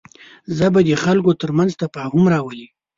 ژبه د خلکو تر منځ تفاهم راولي